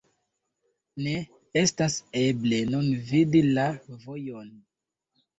Ne estas eble nun vidi la vojon.